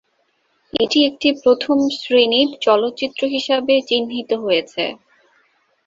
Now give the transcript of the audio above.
এটি একটি প্রথম শ্রেণীর চলচ্চিত্র হিসাবে চিহ্নিত হয়েছে।